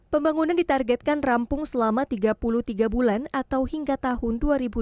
pembangunan ditargetkan rampung selama tiga puluh tiga bulan atau hingga tahun dua ribu dua puluh